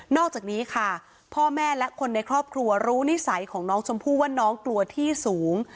อกจากนี้ค่ะพ่อแม่และคนในครอบครัวรู้นิสัยของน้องชมพู่ว่าน้องกลัวที่สูง